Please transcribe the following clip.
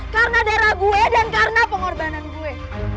karena daerah gue dan karena pengorbanan gue